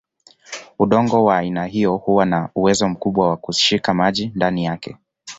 Udongo wa aina hiyo huwa na uwezo mkubwa wa kushika maji ndani yake.